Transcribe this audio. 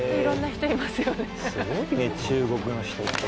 すごいね中国の人って。